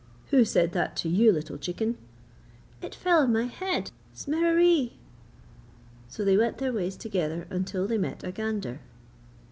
'Who said that to you, little chicken?' 'It fell on my head, Smereree!' So they went their ways together until they met a gander.